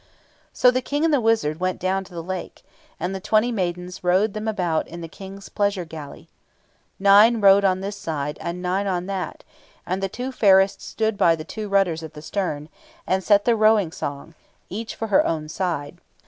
So the King and the wizard went down to the lake, and the twenty maidens rowed them about in the King's pleasure galley. Nine rowed on this side, and nine on that, and the two fairest stood by the two rudders at the stern, and set the rowing song, each for her own side.